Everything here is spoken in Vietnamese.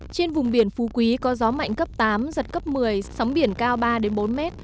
trên vùng biển phú quý có gió mạnh cấp tám giật cấp một mươi sóng biển cao ba bốn m